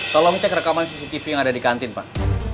tolong cek rekaman cctv yang ada di kantin pak